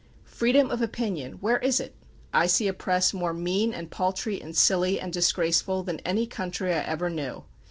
Freedom of opinion; where is it? I see a press more mean and paltry and silly and disgraceful than any country I ever knew....